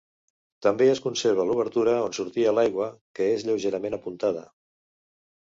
També es conserva l'obertura on sortia l'aigua, que és lleugerament apuntada.